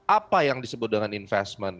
apa yang disebut dengan investment